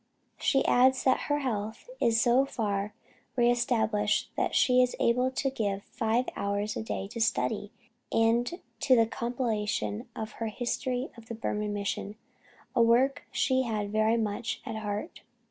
She adds that her health is so far re established that she is able to give five hours a day to study and to the compilation of her History of the Burman Mission, a work she had very much at heart.